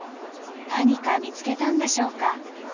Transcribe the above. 何か見つけたんでしょうか。